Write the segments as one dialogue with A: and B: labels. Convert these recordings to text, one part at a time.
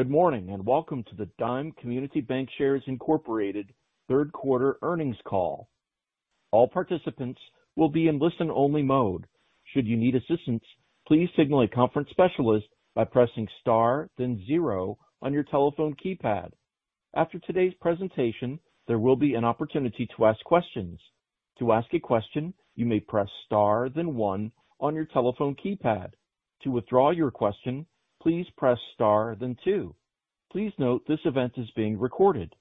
A: Good morning, and welcome to the Dime Community Bancshares, Inc. third quarter earnings call. All participants will be in listen-only mode. Should you need assistance, please signal a conference specialist by pressing star then zero on your telephone keypad. After today's presentation, there will be an opportunity to ask questions. To ask a question, you may press star then one on your telephone keypad. To withdraw your question, please press star then two. Please note this event is being recorded.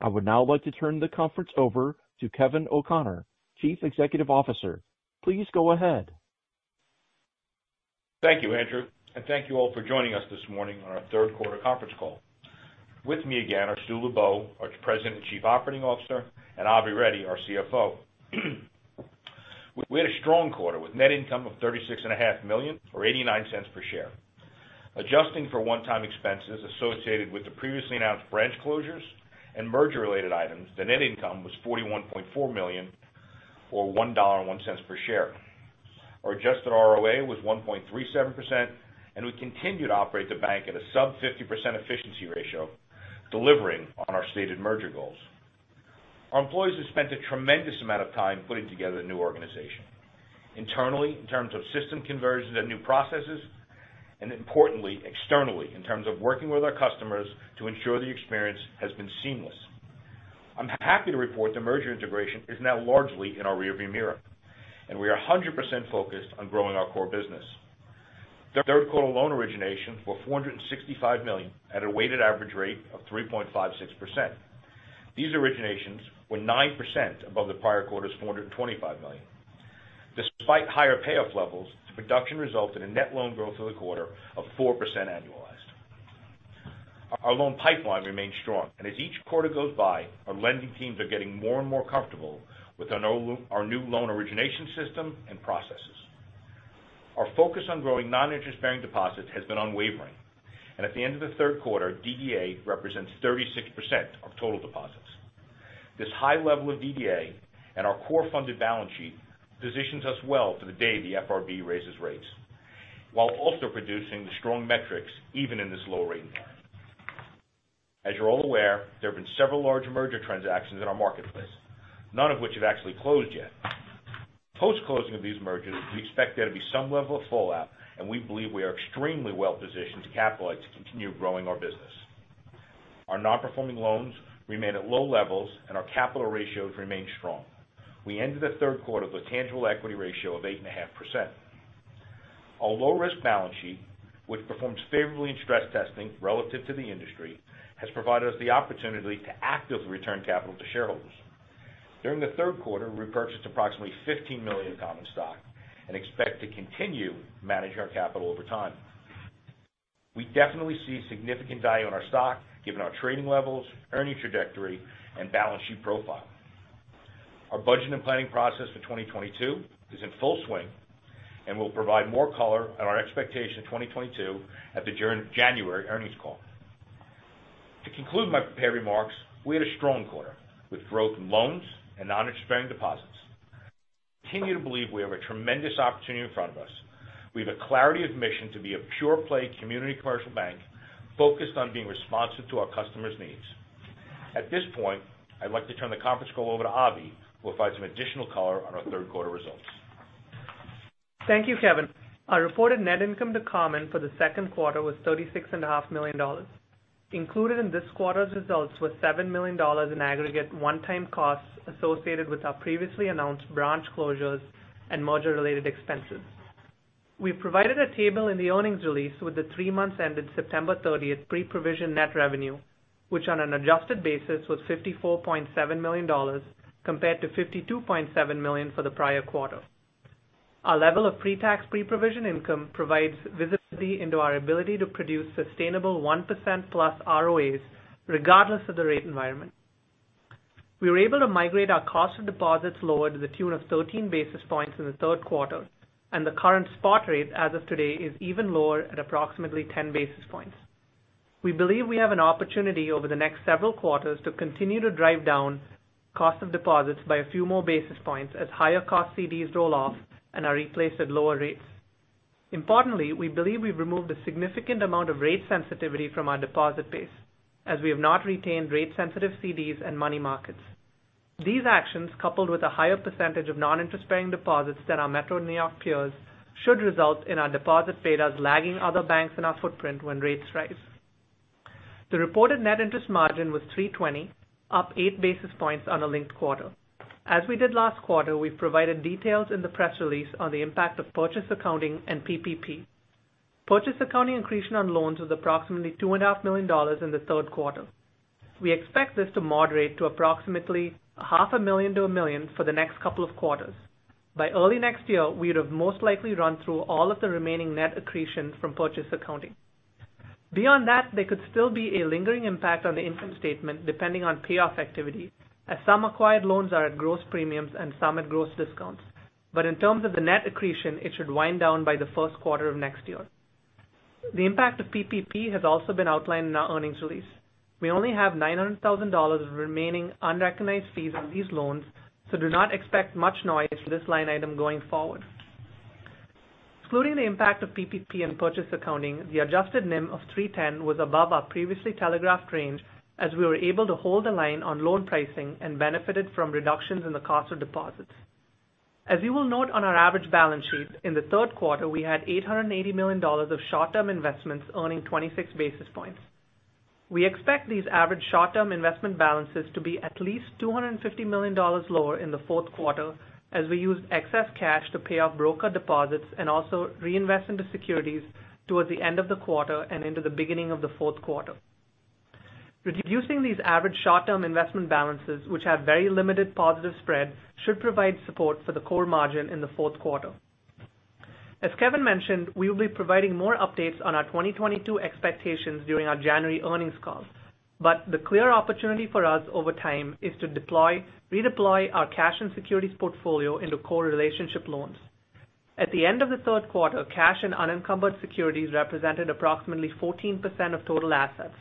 A: I would now like to turn the conference over to Kevin O'Connor, Chief Executive Officer. Please go ahead.
B: Thank you, Andrew, and thank you all for joining us this morning on our third quarter conference call. With me again are Stu Lubow, our President and Chief Operating Officer, and Avi Reddy, our CFO. We had a strong quarter with net income of $36.5 million or $0.89 per share. Adjusting for one-time expenses associated with the previously announced branch closures and merger related items, the net income was $41.4 million or $1.01 per share. Our adjusted ROA was 1.37%, and we continue to operate the bank at a sub 50% efficiency ratio, delivering on our stated merger goals. Our employees have spent a tremendous amount of time putting together a new organization. Internally, in terms of system conversions and new processes, and importantly, externally, in terms of working with our customers to ensure the experience has been seamless. I'm happy to report the merger integration is now largely in our rearview mirror, and we are 100% focused on growing our core business. Third quarter loan origination for $465 million at a weighted average rate of 3.56%. These originations were 9% above the prior quarter's $425 million. Despite higher payoff levels, the production resulted in net loan growth for the quarter of 4% annualized. Our loan pipeline remains strong, and as each quarter goes by, our lending teams are getting more, and more comfortable with our new loan origination system and processes. Our focus on growing non-interest-bearing deposits has been unwavering, and at the end of the third quarter, DDA represents 36% of total deposits. This high level of DDA and our core funded balance sheet positions us well for the day the FRB raises rates, while also producing the strong metrics even in this low rate environment. As you're all aware, there have been several large merger transactions in our marketplace, none of which have actually closed yet. Post-closing of these mergers, we expect there to be some level of fallout, and we believe we are extremely well-positioned to capitalize to continue growing our business. Our non-performing loans remain at low levels and our capital ratios remain strong. We ended the third quarter with tangible equity ratio of 8.5%. Our low-risk balance sheet, which performs favorably in stress testing relative to the industry, has provided us the opportunity to actively return capital to shareholders. During the third quarter, we repurchased approximately 15 million common stock and expect to continue managing our capital over time. We definitely see significant value in our stock given our trading levels, earning trajectory, and balance sheet profile. Our budget and planning process for 2022 is in full swing and will provide more color on our expectation of 2022 at the January earnings call. To conclude my prepared remarks, we had a strong quarter with growth in loans and non-interest-bearing deposits. We continue to believe we have a tremendous opportunity in front of us. We have a clarity of mission to be a pure play community commercial bank focused on being responsive to our customers' needs. At this point, I'd like to turn the conference call over to Avi, who will provide some additional color on our third quarter results.
C: Thank you, Kevin. Our reported net income to common for the second quarter was $36.5 million. Included in this quarter's results was $7 million in aggregate one-time costs associated with our previously announced branch closures and merger related expenses. We provided a table in the earnings release with the three months ended September 30 Pre-Provision Net Revenue, which on an adjusted basis was $54.7 million compared to $52.7 million for the prior quarter. Our level of pre-tax, pre-provision income provides visibility into our ability to produce sustainable 1%+ ROAs regardless of the rate environment. We were able to migrate our cost of deposits lower to the tune of 13 basis points in the third quarter, and the current spot rate as of today is even lower at approximately 10 basis points. We believe we have an opportunity over the next several quarters to continue to drive down cost of deposits by a few more basis points as higher cost CDs roll off and are replaced at lower rates. Importantly, we believe we've removed a significant amount of rate sensitivity from our deposit base as we have not retained rate sensitive CDs and money markets. These actions, coupled with a higher percentage of non-interest-bearing deposits than our Metro New York peers, should result in our deposit betas lagging other banks in our footprint when rates rise. The reported net interest margin was 3.20%, up 8 basis points on a linked quarter. As we did last quarter, we provided details in the press release on the impact of purchase accounting and PPP. Purchase accounting accretion on loans was approximately $2.5 million in the third quarter. We expect this to moderate to approximately $ half a million-$1 million for the next couple of quarters. By early next year, we would have most likely run through all of the remaining net accretion from Purchase Accounting. Beyond that, there could still be a lingering impact on the income statement, depending on payoff activity, as some acquired loans are at gross premiums and some at gross discounts. In terms of the net accretion, it should wind down by the first quarter of next year. The impact of PPP has also been outlined in our earnings release. We only have $900,000 of remaining unrecognized fees on these loans, so do not expect much noise for this line item going forward. Excluding the impact of PPP and Purchase Accounting, the adjusted NIM of 3.10% was above our previously telegraphed range as we were able to hold the line on loan pricing and benefited from reductions in the cost of deposits. As you will note on our average balance sheet, in the third quarter, we had $880 million of short-term investments earning 26 basis points. We expect these average short-term investment balances to be at least $250 million lower in the fourth quarter as we use excess cash to pay off brokered deposits and also reinvest into securities towards the end of the quarter and into the beginning of the fourth quarter. Reducing these average short-term investment balances, which have very limited positive spread, should provide support for the core margin in the fourth quarter. As Kevin mentioned, we will be providing more updates on our 2022 expectations during our January earnings call. The clear opportunity for us over time is to redeploy our cash and securities portfolio into core relationship loans. At the end of the third quarter, cash and unencumbered securities represented approximately 14% of total assets.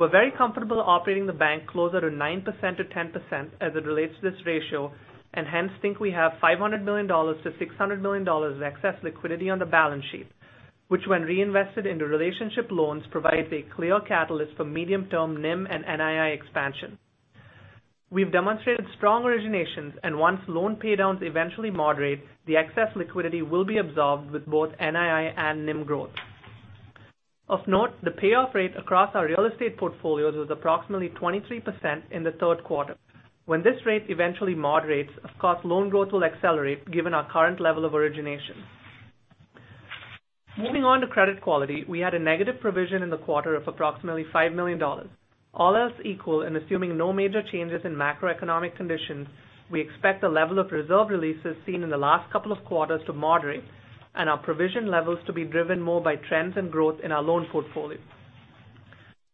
C: We're very comfortable operating the bank closer to 9%-10% as it relates to this ratio, and hence think we have $500 million-$600 million of excess liquidity on the balance sheet, which when reinvested into relationship loans, provides a clear catalyst for medium-term NIM and NII expansion. We've demonstrated strong originations, and once loan paydowns eventually moderate, the excess liquidity will be absorbed with both NII and NIM growth. Of note, the payoff rate across our real estate portfolios was approximately 23% in the third quarter. When this rate eventually moderates, of course, loan growth will accelerate given our current level of originations. Moving on to credit quality, we had a negative provision in the quarter of approximately $5 million. All else equal and assuming no major changes in macroeconomic conditions, we expect the level of reserve releases seen in the last couple of quarters to moderate and our provision levels to be driven more by trends and growth in our loan portfolio.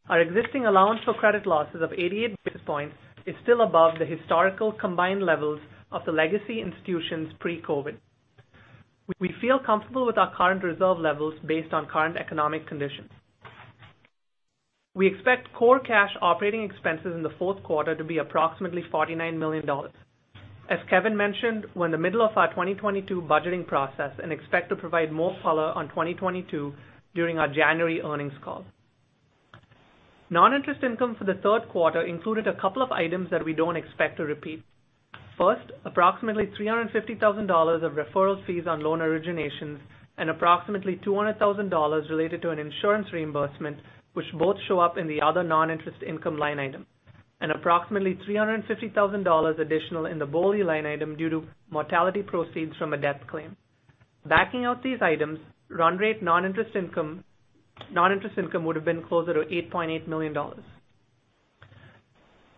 C: Our existing allowance for credit losses of 88 basis points is still above the historical combined levels of the legacy institutions pre-COVID. We feel comfortable with our current reserve levels based on current economic conditions. We expect core cash operating expenses in the fourth quarter to be approximately $49 million. As Kevin mentioned, we're in the middle of our 2022 budgeting process and expect to provide more color on 2022 during our January earnings call. Non-interest income for the third quarter included a couple of items that we don't expect to repeat. First, approximately $350,000 of referral fees on loan originations and approximately $200,000 related to an insurance reimbursement, which both show up in the other non-interest income line item. Approximately $350,000 additional in the BOLI line item due to mortality proceeds from a death claim. Backing out these items, run-rate non-interest income, non-interest income would have been closer to $8.8 million.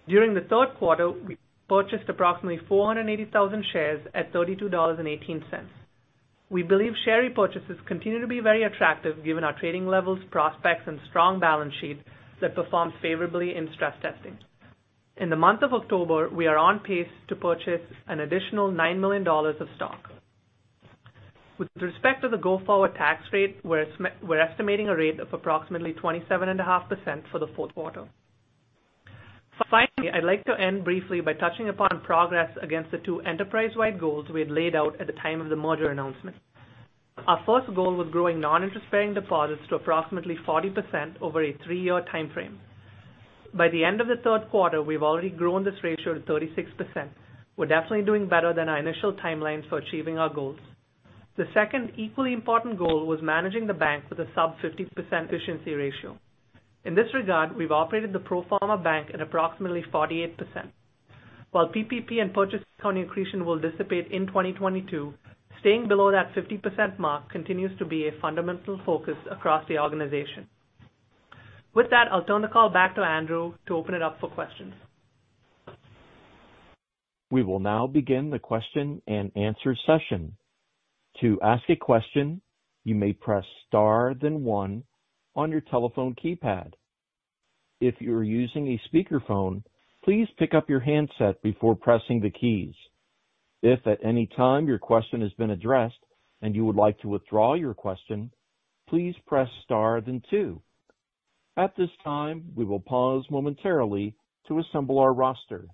C: During the third quarter, we purchased approximately 480,000 shares at $32.18. We believe share repurchases continue to be very attractive given our trading levels, prospects, and strong balance sheet that performs favorably in stress testing. In the month of October, we are on pace to purchase an additional $9 million of stock. With respect to the go-forward tax rate, we're estimating a rate of approximately 27.5% for the fourth quarter. Finally, I'd like to end briefly by touching upon progress against the two enterprise-wide goals we had laid out at the time of the merger announcement. Our first goal was growing non-interest-bearing deposits to approximately 40% over a three-year timeframe. By the end of the third quarter, we've already grown this ratio to 36%. We're definitely doing better than our initial timelines for achieving our goals. The second equally important goal was managing the bank with a sub 50% efficiency ratio. In this regard, we've operated the pro forma bank at approximately 48%. While PPP and Purchase Accounting accretion will dissipate in 2022, staying below that 50% mark continues to be a fundamental focus across the organization. With that, I'll turn the call back to Andrew to open it up for questions.
A: We will now begin the question-and-answer session. To ask a question, you may press star then one on your telephone keypad. If you're using a speakerphone, please pick up your handset before pressing the keys. If at any time your question has been addressed and you would like to withdraw your question, please press star then two. At this time, we will pause momentarily to assemble our roster.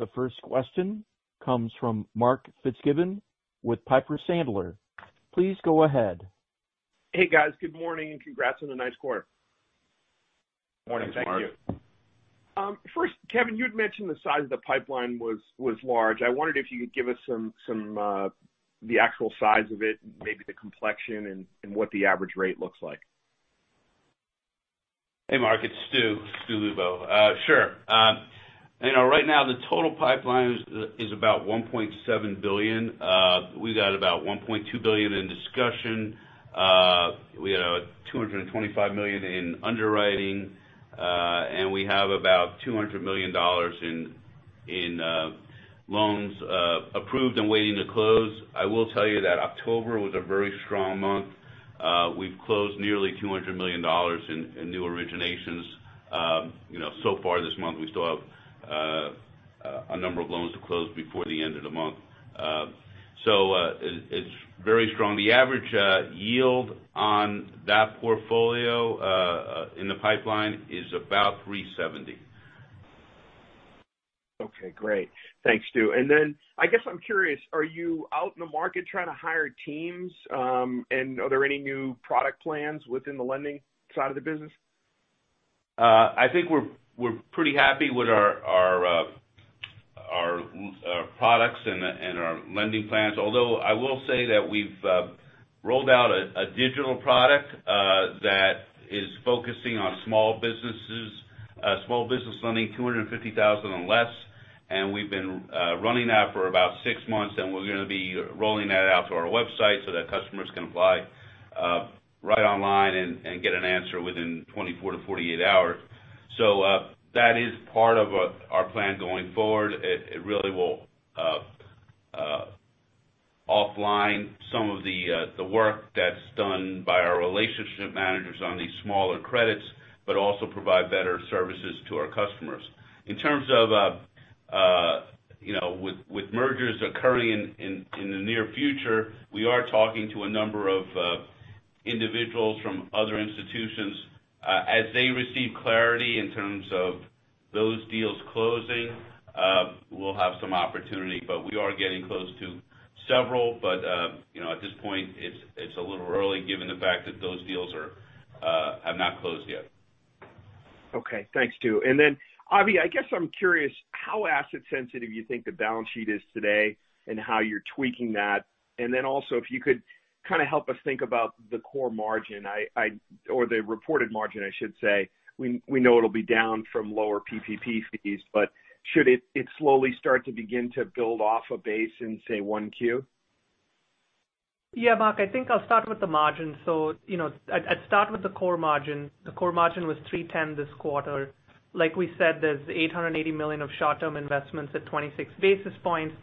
A: The first question comes from Mark Fitzgibbon with Piper Sandler. Please go ahead.
D: Hey, guys. Good morning, and congrats on a nice quarter.
E: Morning. Thank you.
D: First, Kevin, you had mentioned the size of the pipeline was large. I wondered if you could give us some the actual size of it, maybe the complexion and what the average rate looks like.
E: Hey, Mark, it's Stu, Stu Lubow. Sure. You know, right now the total pipeline is about $1.7 billion. We got about $1.2 billion in discussion. We had $225 million in underwriting. We have about $200 million in loans approved and waiting to close. I will tell you that October was a very strong month. We've closed nearly $200 million in new originations. You know, so far this month, we still have a number of loans to close before the end of the month. It's very strong. The average yield on that portfolio in the pipeline is about 3.70%.
D: Okay, great. Thanks, Stu. I guess I'm curious, are you out in the market trying to hire teams? Are there any new product plans within the lending side of the business?
E: I think we're pretty happy with our products and our lending plans. Although I will say that we've rolled out a digital product that is focusing on small businesses, small business lending, $250,000 and less. We've been running that for about six months, and we're gonna be rolling that out to our website so that customers can apply right online and get an answer within 24-48 hours. That is part of our plan going forward. It really will offload some of the work that's done by our relationship managers on these smaller credits, but also provide better services to our customers. In terms of, you know, with mergers occurring in the near future, we are talking to a number of individuals from other institutions. As they receive clarity in terms of those deals closing, we'll have some opportunity. We are getting close to several, but you know, at this point it's a little early given the fact that those deals have not closed yet.
D: Okay. Thanks, Stu. Avi, I guess I'm curious how asset sensitive you think the balance sheet is today and how you're tweaking that. Also, if you could kind of help us think about the core margin or the reported margin, I should say. We know it'll be down from lower PPP fees, but should it slowly start to begin to build off a base in, say, 1Q?
C: Yeah, Mark, I think I'll start with the margin. You know, I'd start with the core margin. The core margin was 3.10% this quarter. Like we said, there's $880 million of short-term investments at 26 basis points.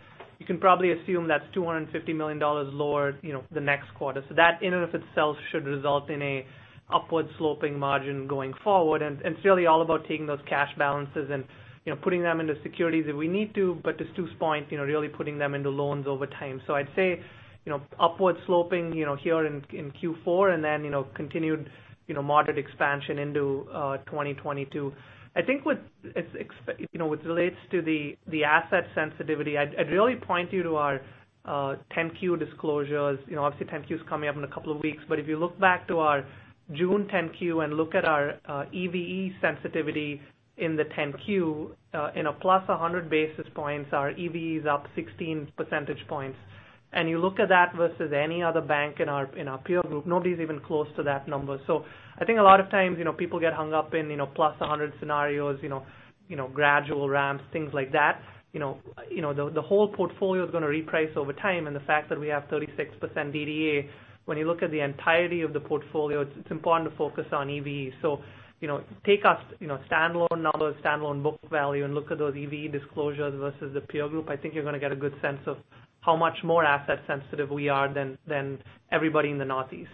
C: You can probably assume that's $250 million lower, you know, the next quarter. That in and of itself should result in an upward sloping margin going forward. It's really all about taking those cash balances and, you know, putting them into securities if we need to. To Stu's point, you know, really putting them into loans over time. I'd say, you know, upward sloping, you know, here in Q4 and then, you know, continued, you know, moderate expansion into 2022. I think, you know, what relates to the asset sensitivity, I'd really point you to our 10-Q disclosures. You know, obviously 10-Q is coming up in a couple of weeks. If you look back to our June 10-Q and look at our EVE sensitivity in the 10-Q, in a plus 100 basis points, our EVE is up 16 percentage points. You look at that versus any other bank in our peer group, nobody's even close to that number. I think a lot of times, you know, people get hung up in plus 100 scenarios, you know, the whole portfolio is gonna reprice over time. The fact that we have 36% DDA, when you look at the entirety of the portfolio, it's important to focus on EVE. You know, take us, you know, standalone numbers, standalone book value, and look at those EVE disclosures versus the peer group. I think you're gonna get a good sense of how much more asset sensitive we are than everybody in the Northeast.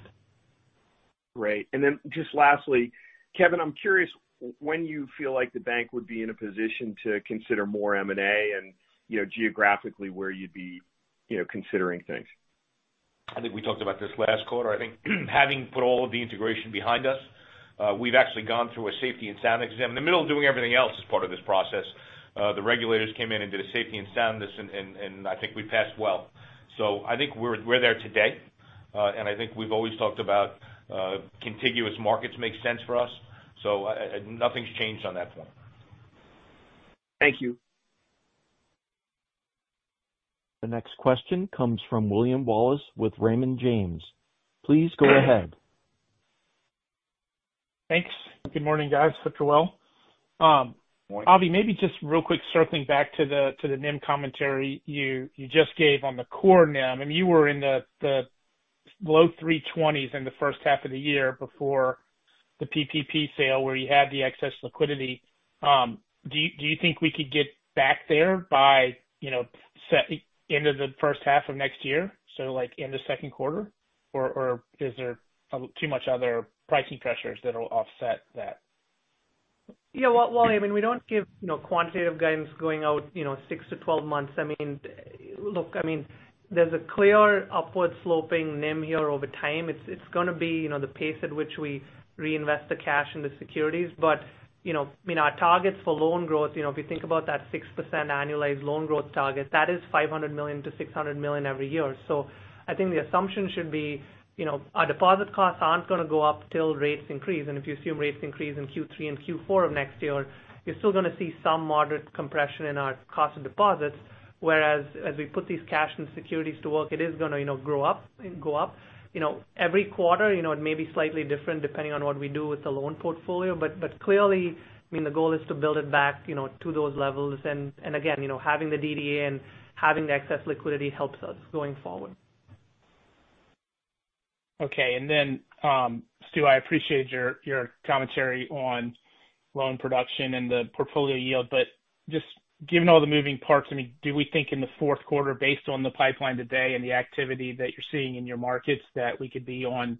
D: Great. Just lastly, Kevin, I'm curious when you feel like the bank would be in a position to consider more M&A and, you know, geographically, where you'd be, you know, considering things?
B: I think we talked about this last quarter. I think having put all of the integration behind us, we've actually gone through a safety and soundness exam in the middle of doing everything else as part of this process. The regulators came in and did a safety and soundness and I think we passed well. I think we're there today. I think we've always talked about contiguous markets make sense for us. Nothing's changed on that front.
D: Thank you.
A: The next question comes from William Wallace with Raymond James. Please go ahead.
F: Thanks. Good morning, guys. Stu, you well?
E: Morning.
F: Avi, maybe just real quick circling back to the NIM commentary you just gave on the core NIM. I mean, you were in the low 3.20% in the first half of the year before the PPP sale where you had the excess liquidity. Do you think we could get back there by, you know, end of the first half of next year, so like in the second quarter? Or is there too much other pricing pressures that'll offset that?
C: Yeah. Well, William, we don't give, you know, quantitative guidance going out, you know, 6-12 months. I mean, look, I mean, there's a clear upward sloping NIM here over time. It's gonna be, you know, the pace at which we reinvest the cash into securities. You know, I mean, our targets for loan growth, you know, if you think about that 6% annualized loan growth target, that is $500 million-$600 million every year. I think the assumption should be, you know, our deposit costs aren't gonna go up till rates increase. If you assume rates increase in Q3 and Q4 of next year, you're still gonna see some moderate compression in our cost of deposits, whereas as we put these cash and securities to work, it is gonna, you know, grow up and go up. You know, every quarter, you know, it may be slightly different depending on what we do with the loan portfolio. Clearly, I mean, the goal is to build it back, you know, to those levels. Again, you know, having the DDA and having the excess liquidity helps us going forward.
F: Okay. I appreciate your commentary on loan production and the portfolio yield. Just given all the moving parts, I mean, do we think in the fourth quarter based on the pipeline today and the activity that you're seeing in your markets that we could be on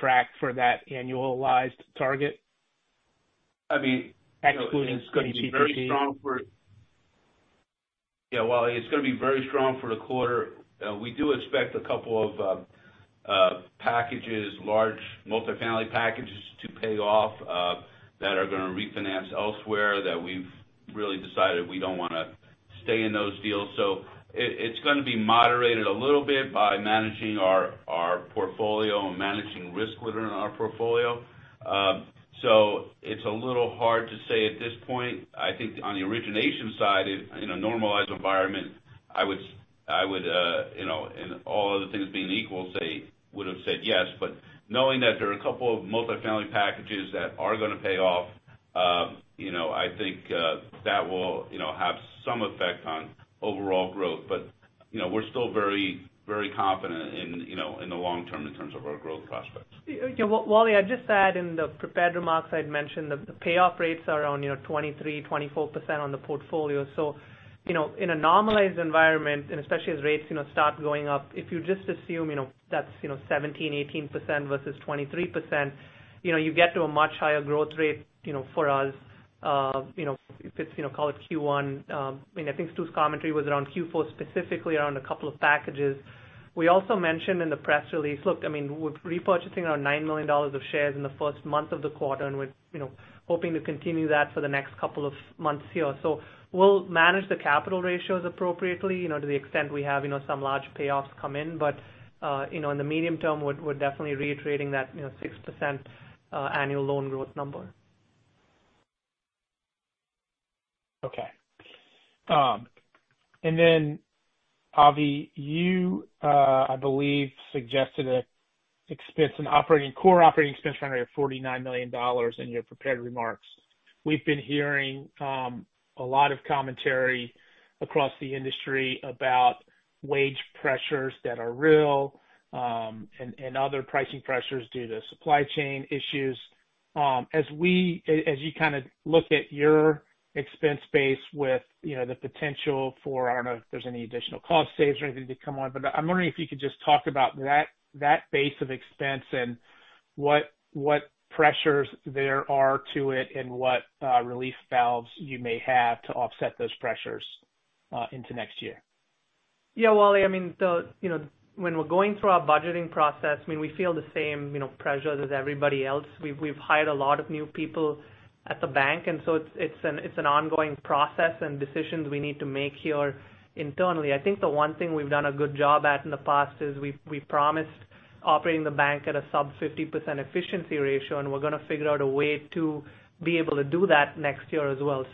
F: track for that annualized target?
E: I mean.
F: Excluding PPP.
E: Yeah. Well, it's gonna be very strong for the quarter. We do expect a couple of large multifamily packages to pay off that are gonna refinance elsewhere that we've really decided we don't wanna stay in those deals. It's gonna be moderated a little bit by managing our portfolio and managing risk within our portfolio. It's a little hard to say at this point. I think on the origination side, in a normalized environment, I would, you know, in all other things being equal, say I would've said yes. But knowing that there are a couple of multifamily packages that are gonna pay off, you know, I think that will have some effect on overall growth. You know, we're still very, very confident in, you know, in the long term in terms of our growth prospects.
C: Yeah. William, I'd just add in the prepared remarks I'd mentioned, the payoff rates are around, you know, 23%-24% on the portfolio. So, you know, in a normalized environment, and especially as rates, you know, start going up, if you just assume, you know, that's, you know, 17%-18% versus 23%, you know, you get to a much higher growth rate, you know, for us. You know, if it's, you know, call it Q1. I mean, I think Stu's commentary was around Q4, specifically around a couple of packages. We also mentioned in the press release. Look, I mean, we're repurchasing our $9 million of shares in the first month of the quarter, and we're, you know, hoping to continue that for the next couple of months here. We'll manage the capital ratios appropriately, you know, to the extent we have, you know, some large payoffs come in. You know, in the medium term, we're definitely reiterating that, you know, 6% annual loan growth number.
F: Okay. Avi, you, I believe, suggested a core operating expense run rate of $49 million in your prepared remarks. We've been hearing a lot of commentary across the industry about wage pressures that are real, and other pricing pressures due to supply chain issues. As you kind of look at your expense base with, you know, the potential for, I don't know if there's any additional cost savings or anything to come on. I'm wondering if you could just talk about that base of expense and what pressures there are to it and what relief valves you may have to offset those pressures into next year.
C: Yeah. Wally, I mean, when we're going through our budgeting process, I mean, we feel the same, you know, pressure as everybody else. We've hired a lot of new people at the bank, and so it's an ongoing process and decisions we need to make here internally. I think the one thing we've done a good job at in the past is we've promised operating the bank at a sub 50% efficiency ratio, and we're gonna figure out a way to be able to do that next year as well.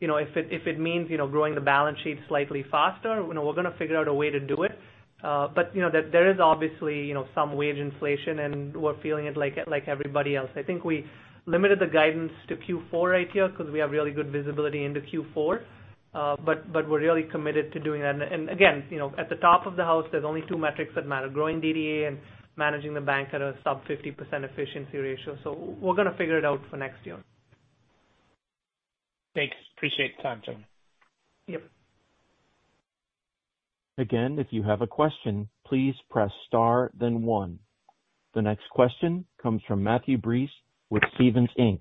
C: You know, if it means, you know, growing the balance sheet slightly faster, you know, we're gonna figure out a way to do it. But, you know, there is obviously, you know, some wage inflation, and we're feeling it like everybody else. I think we limited the guidance to Q4 right here because we have really good visibility into Q4. But we're really committed to doing that. Again, you know, at the top of the house, there's only two metrics that matter, growing DDA and managing the bank at a sub 50% efficiency ratio. We're gonna figure it out for next year.
F: Thanks. I appreciate the time, gentlemen.
B: Yep.
A: Again, if you have a question, please press star then one. The next question comes from Matthew Breese with Stephens Inc.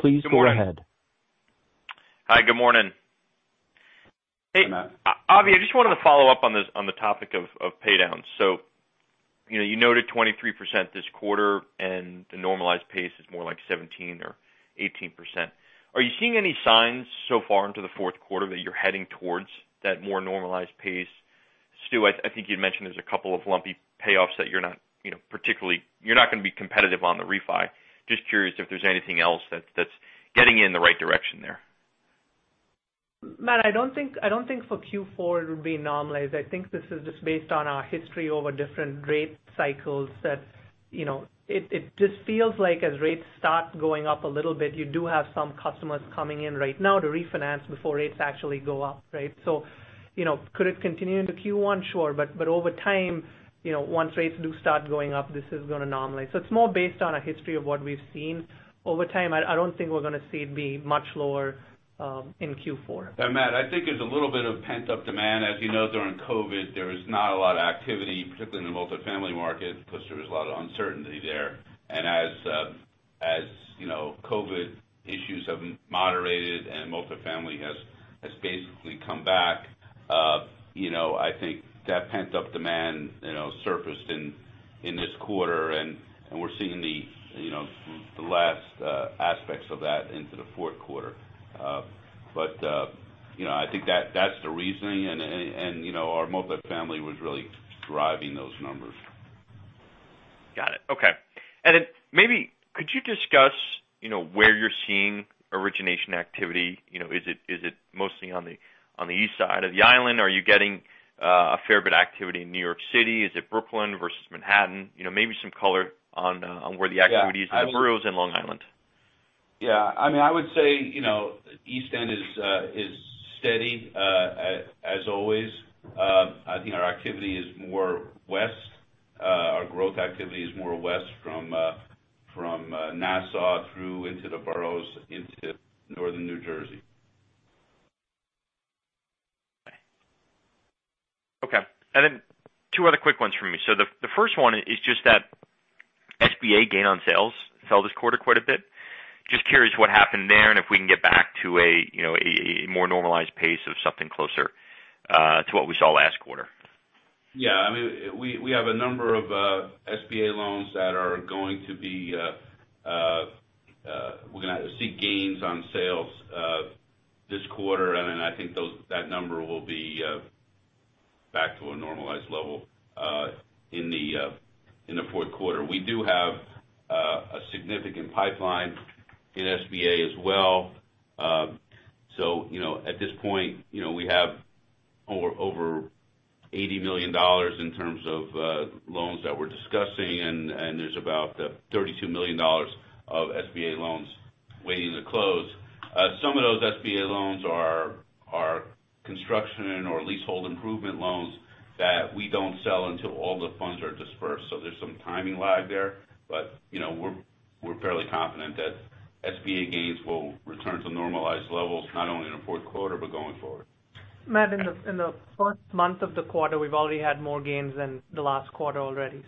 A: Please go ahead.
G: Hi. Good morning.
E: Hey, Matt.
G: Avi, I just wanted to follow up on this, on the topic of pay downs. You know, you noted 23% this quarter, and the normalized pace is more like 17% or 18%. Are you seeing any signs so far into the fourth quarter that you're heading towards that more normalized pace? Stu, I think you'd mentioned there's a couple of lumpy payoffs that you're not, you know, gonna be competitive on the refi. Just curious if there's anything else that's getting you in the right direction there.
C: Matt, I don't think for Q4 it would be normalized. I think this is just based on our history over different rate cycles that, you know, it just feels like as rates start going up a little bit, you do have some customers coming in right now to refinance before rates actually go up. Right? You know, could it continue into Q1? Sure. Over time, you know, once rates do start going up, this is gonna normalize. It's more based on a history of what we've seen over time. I don't think we're gonna see it be much lower in Q4.
E: Matthew, I think there's a little bit of pent-up demand. As you know, during COVID, there was not a lot of activity, particularly in the multifamily market, because there was a lot of uncertainty there. As you know, COVID issues have moderated and multifamily has basically come back, you know, I think that pent-up demand, you know, surfaced in this quarter and we're seeing the, you know, the last aspects of that into the fourth quarter. You know, I think that's the reasoning and you know, our multifamily was really driving those numbers.
G: Got it. Okay. Maybe could you discuss, you know, where you're seeing origination activity? You know, is it mostly on the east side of the island? Are you getting a fair bit of activity in New York City? Is it Brooklyn versus Manhattan? You know, maybe some color on where the activity is in the boroughs and Long Island.
E: Yeah. I mean, I would say, you know, East End is steady, as always. I think our activity is more west. Our growth activity is more west from Nassau through into the boroughs, into northern New Jersey.
G: Okay. Then two other quick ones for me. The first one is just that SBA gain on sales fell this quarter quite a bit. Just curious what happened there and if we can get back to a you know, a more normalized pace of something closer to what we saw last quarter.
E: Yeah. I mean, we have a number of SBA loans. We're gonna see gains on sales this quarter. Then I think that number will be back to a normalized level in the fourth quarter. We do have a significant pipeline in SBA as well. You know, at this point, you know, we have over $80 million in terms of loans that we're discussing. There's about $32 million of SBA loans waiting to close. Some of those SBA loans are construction or leasehold improvement loans that we don't sell until all the funds are dispersed. There's some timing lag there. You know, we're fairly confident that SBA gains will return to normalized levels, not only in the fourth quarter but going forward.
C: Matt, in the first month of the quarter, we've already had more gains than the last quarter already.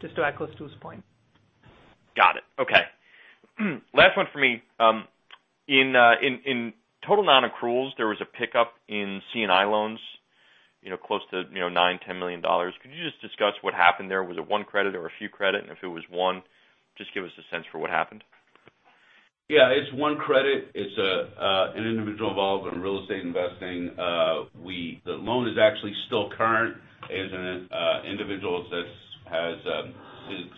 C: Just to echo Stu's point.
G: Got it. Okay. Last one for me. In total non-accruals, there was a pickup in C&I loans, you know, close to, you know, $9 million-$10 million. Could you just discuss what happened there? Was it one credit or a few credit? And if it was one, just give us a sense for what happened.
E: Yeah. It's one credit. It's an individual involved in real estate investing. The loan is actually still current. It is an individual that's has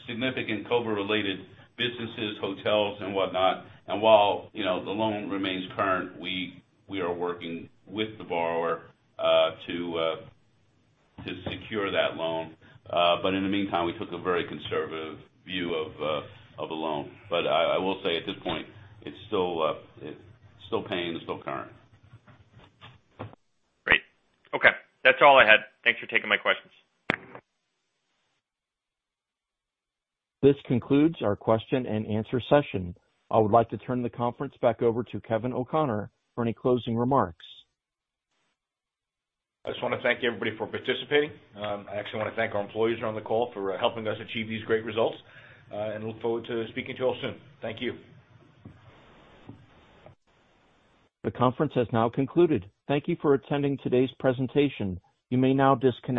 E: significant COVID-related businesses, hotels and whatnot. While, you know, the loan remains current, we are working with the borrower to secure that loan. In the meantime, we took a very conservative view of the loan. I will say at this point, it's still paying, it's still current.
G: Great. Okay. That's all I had. Thanks for taking my questions.
A: This concludes our question and answer session. I would like to turn the conference back over to Kevin O'Connor for any closing remarks.
B: I just wanna thank everybody for participating. I actually wanna thank our employees who are on the call for helping us achieve these great results, and look forward to speaking to you all soon. Thank you.
A: The conference has now concluded. Thank you for attending today's presentation. You may now disconnect.